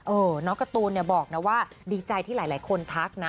น้องการ์ตูนเนี่ยบอกนะว่าดีใจที่หลายคนทักนะ